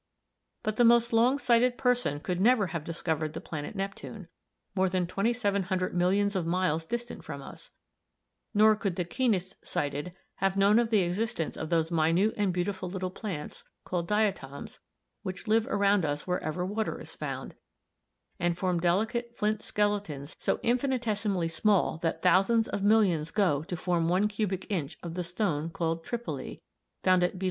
But the most long sighted person could never have discovered the planet Neptune, more than 2700 millions of miles distant from us, nor could the keenest sighted have known of the existence of those minute and beautiful little plants, called diatoms, which live around us wherever water is found, and form delicate flint skeletons so infinitesimally small that thousands of millions go to form one cubic inch of the stone called tripoli, found at Bilin in Bohemia."